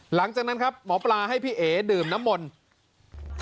หลังจากนั้นครับหมอปลาให้พี่เอ๋ดื่มน้ำมนต์